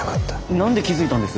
何で気付いたんです？